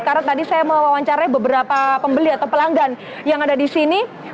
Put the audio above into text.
karena tadi saya mewawancarai beberapa pembeli atau pelanggan yang ada di sini